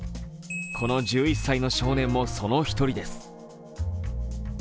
この１１歳の少年も、その１人です。